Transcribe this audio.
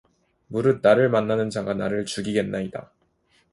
무릇 나를 만나는 자가 나를 죽이겠나이다